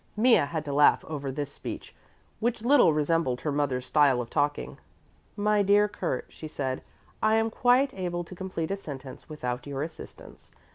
Mea had to laugh over this speech, which little resembled her mother's style of talking. "My dear Kurt," she said, "I am quite able to complete a sentence without your assistance.